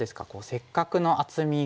せっかくの厚みが。